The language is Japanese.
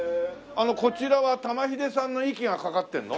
あのこちらは玉ひでさんの息がかかってるの？